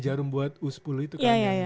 jarum buat u sepuluh itu kan